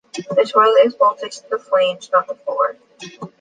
The toilet is bolted to the flange, not to the floor.